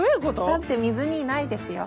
だって水にいないですよ？